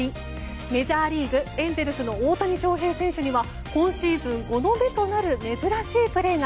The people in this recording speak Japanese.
メジャーリーグ、エンゼルスの大谷翔平選手には今シーズン５度目となる珍しいプレーが。